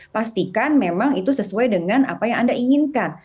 pastikan memang itu sesuai dengan apa yang anda inginkan